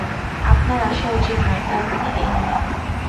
আপনার আসা উচিত নয় তার মানে এই নয়।